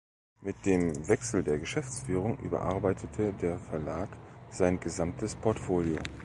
Mit dem Wechsel der Geschäftsführung überarbeitete der Verlag sein gesamtes Portfolio.